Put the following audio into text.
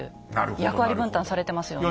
役割分担されてますよね。